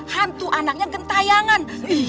hantu anaknya gentayangan